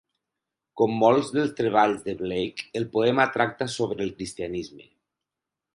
Com molts dels treballs de Blake, el poema tracta sobre el cristianisme.